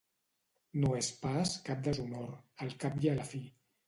No és pas cap deshonor, al cap i a la fi.